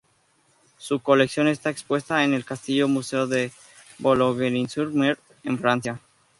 Su colección está expuesta en el castillo museo de Bologne-sur-Mer, en Francia.